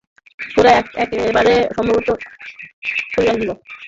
গোরা একেবারে আরম্ভ করিয়া দিল, বিনয় আজ আপনার এখানে এসেছিল?